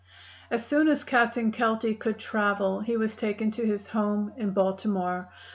"As soon as Captain Kelty could travel he was taken to his home in Baltimore.